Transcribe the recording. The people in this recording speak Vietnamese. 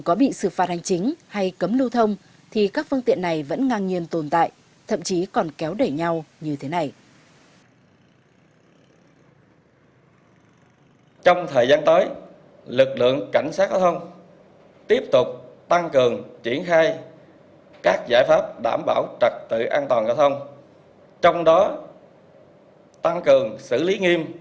có bị xử phạt hành chính hay cấm lưu thông thì các phương tiện này vẫn ngang nhiên tồn tại thậm chí còn kéo đẩy nhau như thế này